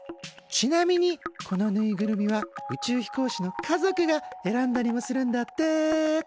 ちなみにこのぬいぐるみは宇宙飛行士の家族が選んだりもするんだって。